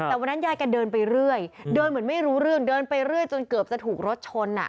แต่วันนั้นยายแกเดินไปเรื่อยเดินเหมือนไม่รู้เรื่องเดินไปเรื่อยจนเกือบจะถูกรถชน